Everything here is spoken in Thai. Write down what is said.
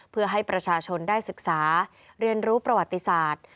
เพื่อให้ประชาชนได้ศึกษาเรียนรู้ประวัติศาสตร์